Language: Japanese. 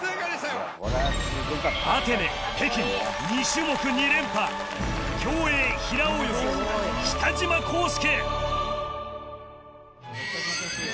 アテネ北京２種目２連覇競泳平泳ぎ北島康介